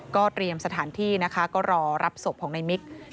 ก็เตรียมสถานที่นะคะก็รอรับศพของนักโทษเด็ดขาดชาย